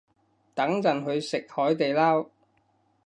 等陣去食海地撈